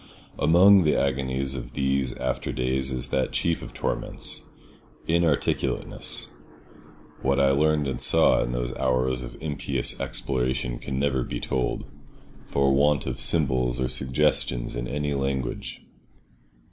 Among the agonies of these after days is that chief of torments—inarticulateness. What I learned and saw in those hours of impious exploration can never be told—for want of symbols or suggestions in any language.